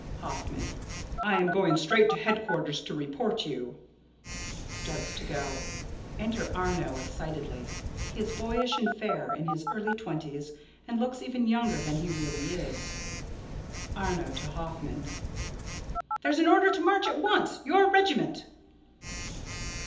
Hoffman: I am going straight to headquarters to report you. [_Starts to go. Enter Arno excitedly. He is boyish and fair, in his early twenties, and looks even younger than he really is._] Arno: [To Hoffman.] There's an order to march at once your regiment.